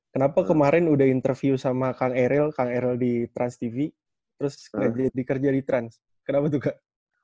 kenapa kemarin udah interview sama kang erel kang erel di transtv terus dikerja di trans kenapa tuh kak